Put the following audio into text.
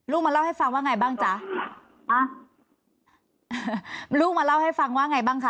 มาเล่าให้ฟังว่าไงบ้างจ๊ะอ่ะลูกมาเล่าให้ฟังว่าไงบ้างคะ